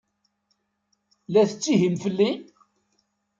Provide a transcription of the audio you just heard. La tettihim fell-i?